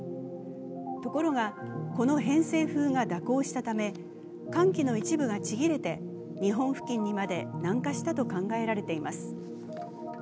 ところが、この偏西風が蛇行したため寒気の一部がちぎれて日本付近にまで南下したと考えられています。